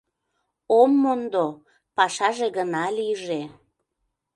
Ом мондо — пашаже гына лийже...